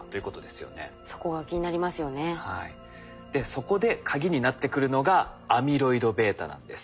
そこでカギになってくるのがアミロイドβなんです。